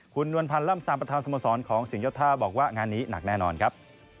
คุณนวลพันธ์ล่ำซามประธานสมสรของสิงหยดท่าบอกว่างานนี้หนักแน่นอนครับ